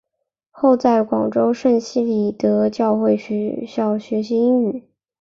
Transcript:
后在广州圣希理达教会学校学习英语。